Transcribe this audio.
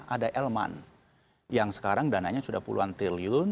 ada elman yang sekarang dananya sudah puluhan triliun